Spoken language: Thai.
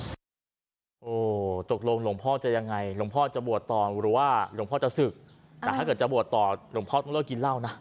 ว้อตกลงหรือหรือว่า